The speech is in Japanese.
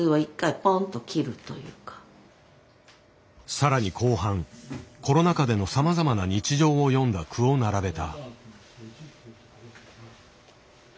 さらに後半コロナ禍でのさまざまな日常を詠んだ句を並べた。